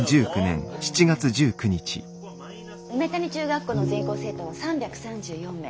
梅谷中学校の全校生徒は３３４名。